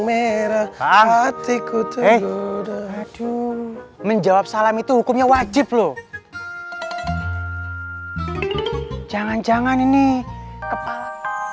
merah hatiku teku aduh menjawab salam itu hukumnya wajib loh jangan jangan ini kepala